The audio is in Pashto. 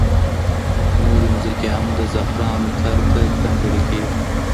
نورې ځمکې هم د زعفرانو کر ته ځانګړې کېږي.